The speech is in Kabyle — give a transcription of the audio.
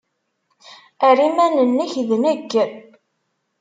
Err iman-nnek d nekk.